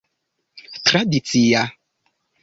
tradicia